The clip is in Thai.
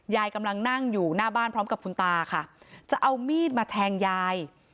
ยายกำลังนั่งอยู่หน้าบ้านพร้อมกับคุณตาค่ะจะเอามีดมาแทงยาย